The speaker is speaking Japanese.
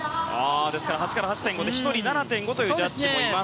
ですから８から８．５で１人、７．５というジャッジもいます。